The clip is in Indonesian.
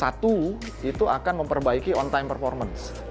satu itu akan memperbaiki on time performance